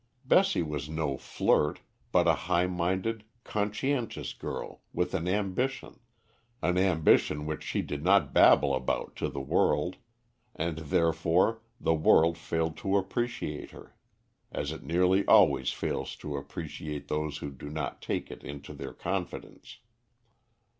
Bessie was no flirt, but a high minded, conscientious girl, with an ambition an ambition which she did not babble about to the world, and therefore the world failed to appreciate her, as it nearly always fails to appreciate those who do not take it into their confidence.